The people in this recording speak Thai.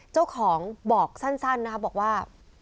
เจ้าของบอกสั้นนะครับบอกว่า